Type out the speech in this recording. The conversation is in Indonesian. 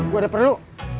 gue ada perlu